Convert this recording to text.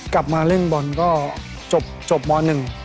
กลับมาเล่นบอลก็จบม๑